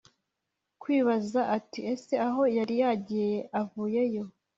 kwibaza ati ese aho yari yagiye avuyeyo